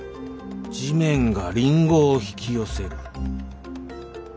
地面がリンゴを引き寄せる。